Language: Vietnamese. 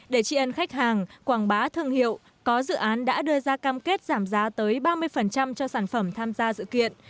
để trị ân khách hàng quảng bá thương hiệu có dự án đã đưa ra cam kết giảm giá tới ba mươi cho sản phẩm tham gia sự kiện